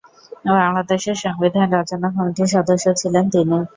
বাংলাদেশের সংবিধান রচনা কমিটির সদস্য ছিলেন তিনি।